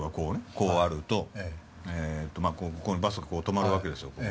こうあるとここにバスがとまるわけですよ